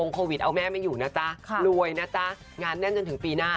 โควิดเอาแม่ไม่อยู่นะจ๊ะรวยนะจ๊ะงานแน่นจนถึงปีหน้า